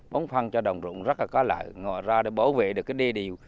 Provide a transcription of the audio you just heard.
bóng phân cho đồng rụng rất là có lợi ra để bảo vệ được cái đê đi